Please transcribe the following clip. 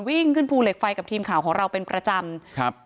วิ่งขึ้นภูเหล็กไฟกับทีมข่าวของเราเป็นประจำครับ